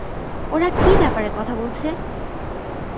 ওরা কী ব্যাপারে কথা বলছে?